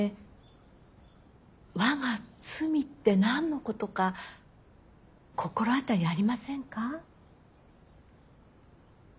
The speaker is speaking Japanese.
「わが罪」って何のことか心当たりありませんか？